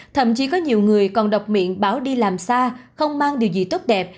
thậm chí có nhiều người còn độc miệng báo đi làm xa không mang điều gì tốt đẹp